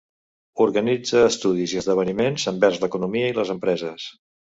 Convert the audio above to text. Organitza estudis i esdeveniments envers l'economia i les empreses.